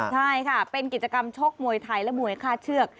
ใช่ค่ะเป็นกิจกรรมชกมวยไทยและมวยฆ่าเชือก